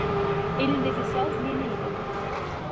Elindeki saz yeni idi.